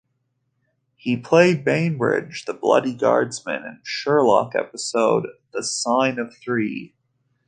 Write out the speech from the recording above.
He played Bainbridge, the Bloody Guardsman, in the "Sherlock" episode, "The Sign of Three".